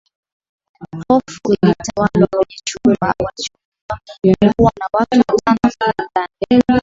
Hofu ilitawala kwenye chumba walichokuwa kulikuwa na watu watano humo ndani